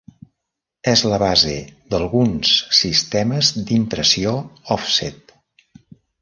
És la base d'alguns sistemes d'impressió òfset.